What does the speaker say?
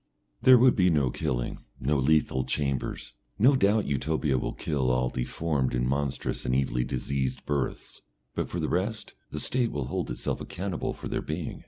There would be no killing, no lethal chambers. No doubt Utopia will kill all deformed and monstrous and evilly diseased births, but for the rest, the State will hold itself accountable for their being.